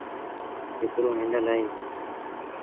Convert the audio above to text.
هڪڙو هينڊل اهي۔